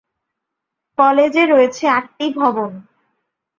কলেজে রয়েছে আটটি ভবন।